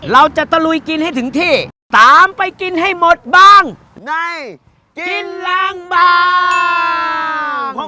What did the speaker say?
ตะลุยกินให้ถึงที่ตามไปกินให้หมดบ้างในกินล้างบาง